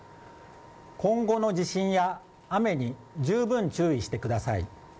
今後の地震や雨に十分注意してください。